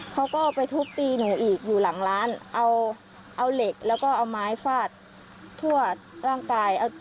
เขาก็ไปทุบตีหนูอีกอยู่หลังร้านเอาเหล็กแล้วก็เอาไม้ฟาดทั่วร่างกาย